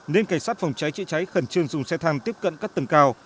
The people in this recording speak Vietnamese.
nên cảnh sát phòng cháy chữa cháy khẩn trương dùng xe thang tiếp cận các tầng cao